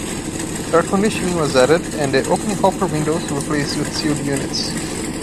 Air conditioning was added and the opening hopper windows replaced with sealed units.